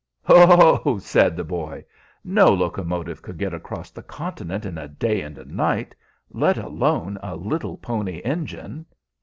"Ho!" said the boy. "No locomotive could get across the continent in a day and a night, let alone a little Pony Engine."